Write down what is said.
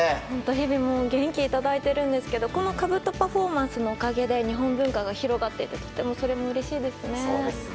日々、元気をいただいているんですけどこのかぶとパフォーマンスのおかげで日本文化が広がっていくこともうれしいですね。